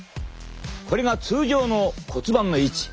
これが通常の骨盤の位置。